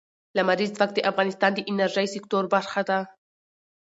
لمریز ځواک د افغانستان د انرژۍ سکتور برخه ده.